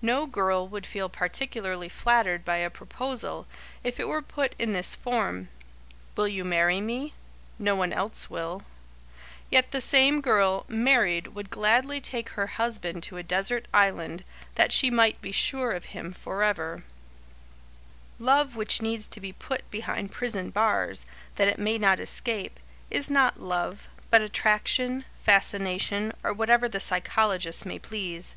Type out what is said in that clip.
No girl would feel particularly flattered by a proposal, if it were put in this form: "Will you marry me? No one else will." Yet the same girl, married, would gladly take her husband to a desert island, that she might be sure of him forever. [Sidenote: Behind Prison Bars] Love which needs to be put behind prison bars, that it may not escape, is not love, but attraction, fascination, or whatever the psychologists may please.